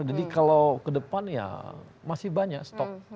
jadi kalau kedepannya masih banyak stok